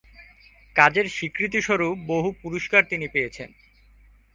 কাজের স্বীকৃতিস্বরূপ বহু পুরস্কার তিনি পেয়েছেন।